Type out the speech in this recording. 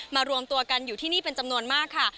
รวมตัวกันอยู่ที่นี่เป็นจำนวนมากค่ะ